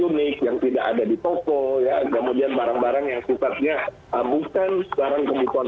unik yang tidak ada di toko ya kemudian barang barang yang sifatnya bukan barang kebutuhan